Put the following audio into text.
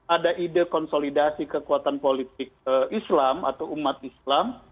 ada ide konsolidasi kekuatan politik islam atau umat islam